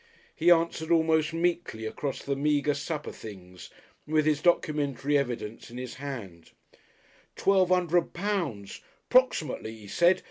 He answered almost meekly across the meagre supper things, with his documentary evidence in his hand: "Twelve 'undred pounds. 'Proximately, he said.